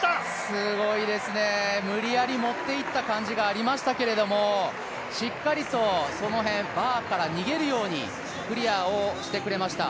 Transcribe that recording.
すごいですね、無理やり持っていった感じがありましたけどもしっかりとその辺、バーから逃げるようにクリアをしてくれました。